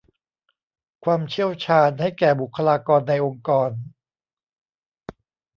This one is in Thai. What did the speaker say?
ความเชี่ยวชาญให้แก่บุคลากรในองค์กร